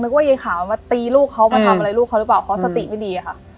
ว่ายายขาวมาตีลูกเขามาทำอะไรลูกเขาหรือเปล่าเขาสติไม่ดีอะค่ะ